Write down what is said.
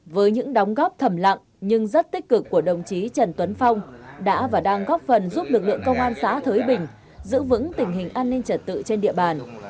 với những đóng góp thầm lặng nhưng rất tích cực của đồng chí trần tuấn phong đã và đang góp phần giúp lực lượng công an xã thới bình giữ vững tình hình an ninh trật tự trên địa bàn